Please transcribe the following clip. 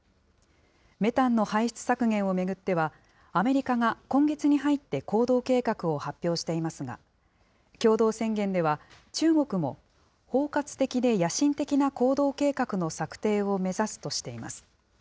メタンの排出削減を巡っては、アメリカが今月に入って行動計画を発表していますが、共同宣言では、中国も、包括的で野心的な行動計画の策定を目指すとしています。